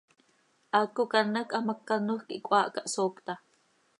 ¡Haaco quih an hac hamác canoj quih cöhaahca, hsoocta!